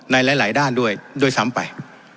ในหลายด้านด้วยด้วยซ้ำไป